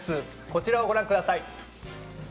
こちらをご覧ください。